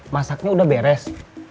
masaknya udah beres